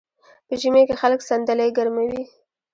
په ژمي کې خلک صندلۍ ګرموي.